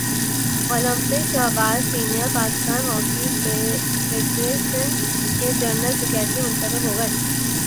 Olympian Shahbaz senior Pakistan hockey federation کے general secretary منتخب ہو گئے